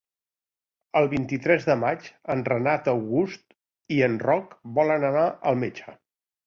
El vint-i-tres de maig en Renat August i en Roc volen anar al metge.